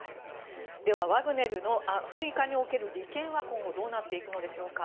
では、ワグネルのアフリカにおける利権は今後どうなっていくのでしょうか。